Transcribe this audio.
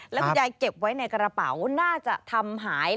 แล้วคุณยายเก็บไว้ในกระเป๋าน่าจะทำหาย